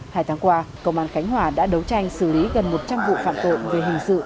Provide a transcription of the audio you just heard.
hai tháng qua công an khánh hòa đã đấu tranh xử lý gần một trăm linh vụ phạm tội về hình sự